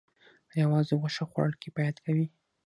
ایا یوازې غوښه خوړل کفایت کوي